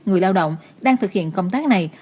người lao động đang thực hiện công tác này